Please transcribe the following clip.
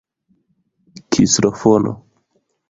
ksilofono